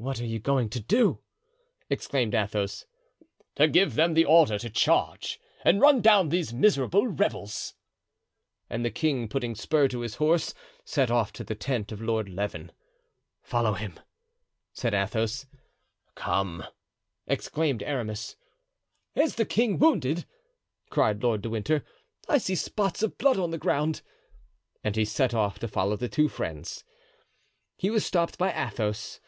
"What are you going to do?" exclaimed Athos. "To give them the order to charge, and run down these miserable rebels." And the king, putting spurs to his horse, set off to the tent of Lord Leven. "Follow him," said Athos. "Come!" exclaimed Aramis. "Is the king wounded?" cried Lord Winter. "I see spots of blood on the ground." And he set off to follow the two friends. He was stopped by Athos.